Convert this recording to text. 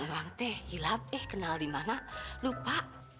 wangte hilap eh kenal di mana lupa